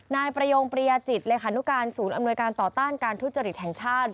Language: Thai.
นายประยงปริยาจิตเลขานุการศูนย์อำนวยการต่อต้านการทุจริตแห่งชาติ